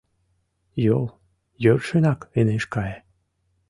Йол йӧршынак ынеж кае.